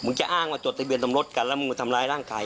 จะอ้างว่าจดทะเบียนสมรสกันแล้วมึงมาทำร้ายร่างกาย